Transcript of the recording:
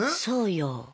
そうよ。